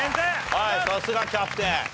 はいさすがキャプテン。